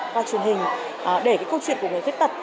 qua truyền hình để cái câu chuyện của người khuyết tật